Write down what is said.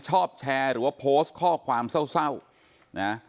ชอบแชร์หรือว่าโพสต์ข้อความเศร้านะ